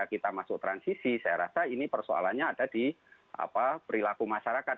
kita masuk transisi saya rasa ini persoalannya ada di perilaku masyarakat